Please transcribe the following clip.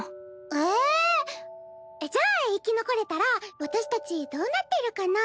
ええ！じゃあ生き残れたら私たちどうなってるかな？